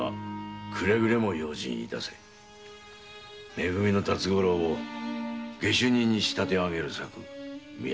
「め組」の辰五郎を下手人に仕立て上げる策見破られるな。